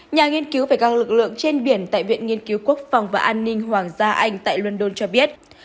nhà nghiên cứu về các lực lượng trên biển tại viện nghiên cứu quốc phòng và an ninh hoàng gia anh tại london cho biết